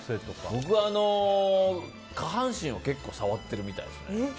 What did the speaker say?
僕は下半身を結構触ってるみたいです。